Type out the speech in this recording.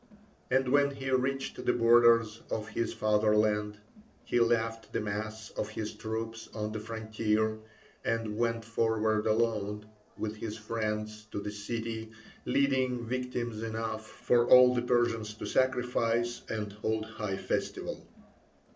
And when he reached the borders of his fatherland, he left the mass of his troops on the frontier, and went forward alone with his friends to the city, leading victims enough for all the Persians to sacrifice and hold high festival.